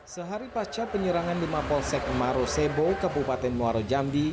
sehari pacat penyerangan di mapolsek marosebo kabupaten muarajambi